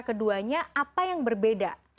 keduanya apa yang berbeda